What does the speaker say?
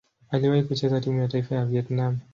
Aliwahi kucheza timu ya taifa ya Vietnam.